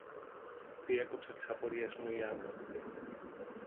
Διέκοψε τις απορίες μου η Άννα.